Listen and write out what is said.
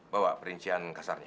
bawa perincian kasarnya